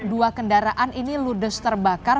dua kendaraan ini ludes terbakar